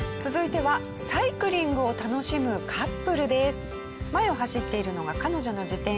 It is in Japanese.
続いては前を走っているのが彼女の自転車。